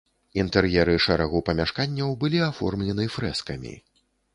Інтэр'еры шэрагу памяшканняў былі аформлены фрэскамі.